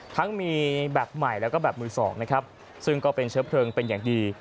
ทั้งมีแบบใหม่แล้วก็แบบมือสองนะครับซึ่งก็เป็นเชื้อเพลิงเป็นอย่างดี